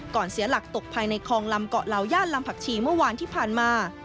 เสียหลักตกภายในคลองลำเกาะเหล่าย่านลำผักชีเมื่อวานที่ผ่านมา